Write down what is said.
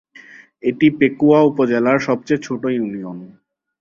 এটি পেকুয়া উপজেলার সবচেয়ে ছোট ইউনিয়ন।